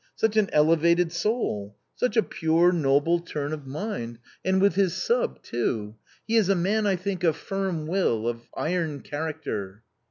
Such an elevated soul, such a pure noble turn of mind! and with his sub too; he is a man, I think, of firm will, of iron character."